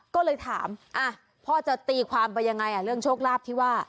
ก็เลยถามพ่อจะตีความไปยังไงเรื่องโชคลาภที่ว่า